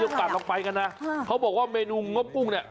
มีโอกาสเราไปกันนะเขาบอกว่าเมนูงกกุ้งเนี่ย